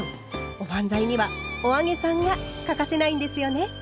おばんざいにはお揚げさんが欠かせないんですよね？